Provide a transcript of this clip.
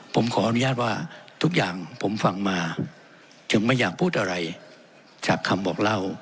ผมขออนุญาตว่าทุกอย่างผมฟังมาจึงไม่อยากพูดอะไรจากคำบอกเล่า